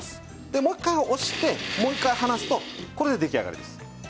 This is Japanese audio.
でもう１回押してもう１回離すとこれで出来上がりです。